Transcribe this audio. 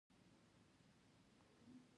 په څو ډلو وېشل کېږي.